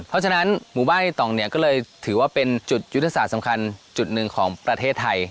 เพราะฉะนั้นหมู่บ้านไอ้ต่องเนี่ยก็เลยถือว่าเป็นจุดยุทธศาสตร์สำคัญจุดหนึ่งของประเทศไทย